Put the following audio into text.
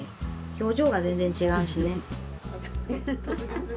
表情が全然違うしね。